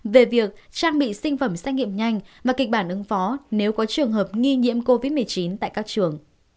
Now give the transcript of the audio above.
về việc trang bị sinh phẩm xét nghiệm nhanh và kịch bản ứng phó nếu có trường hợp nghi nhiễm covid một mươi chín tại các trường